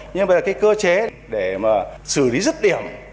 nhưng mà cái cơ chế để mà xử lý rất điểm